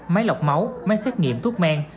máy lọc máu máy xét nghiệm thuốc men